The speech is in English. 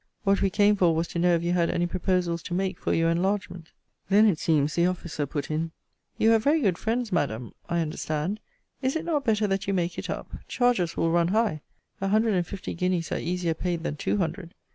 What we came for, was to know if you had any proposals to make for your enlargement. Then, it seems, the officer put in. You have very good friends, Madam, I understand. Is it not better that you make it up? Charges will run high. A hundred and fifty guineas are easier paid than two hundred.